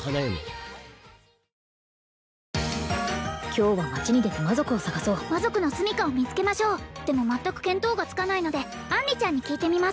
今日は町に出て魔族を探そう魔族のすみかを見つけましょうでも全く見当がつかないので杏里ちゃんに聞いてみます